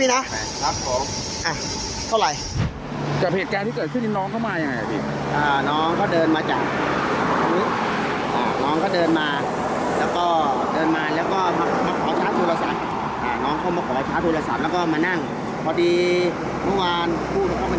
มีเนอะฝากอะไรนะพี่นะครับผมอ่าเท่าไร